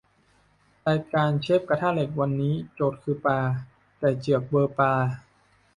รายการเชฟกระทะเหล็กวันนี้โจทย์คือปลา แต่เจือกเบลอปลา